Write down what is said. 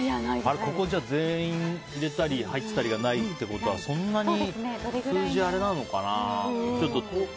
ここ全員、入れたり入ってたりがないってことはそんなにないのかな？